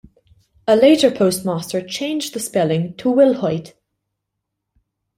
A later postmaster changed the spelling to "Willhoit".